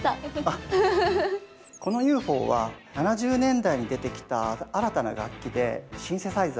この「ＵＦＯ」は７０年代に出てきた新たな楽器でシンセサイザー。